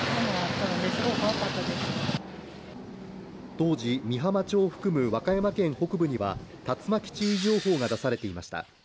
当時、美浜町を含む和歌山県北部には竜巻注意情報が出されていました。